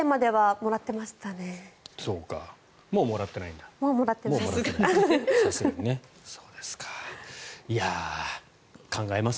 もうもらってないです。